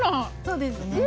そうですね。